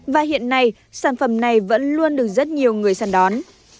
và hiện nay sản phẩm này vẫn luôn được rất nhiều người săn đón